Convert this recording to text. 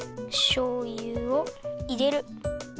しょうゆをいれる。